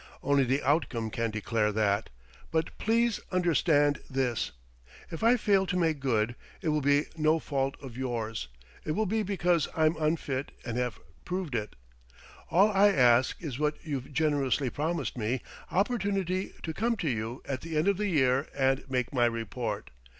Only the outcome can declare that. But please understand this: if I fail to make good, it will be no fault of yours; it will be because I'm unfit and have proved it.... All I ask is what you've generously promised me: opportunity to come to you at the end of the year and make my report....